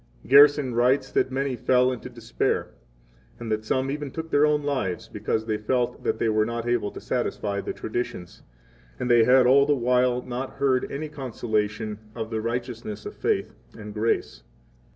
Gerson writes that many fell 13 into despair, and that some even took their own lives, because they felt that they were not able to satisfy the traditions, and they had all the while not heard any consolation of the righteousness of faith and 14 grace.